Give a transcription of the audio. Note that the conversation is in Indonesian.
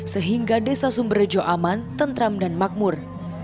sehingga desa sumber rejo aman tentram dan makmur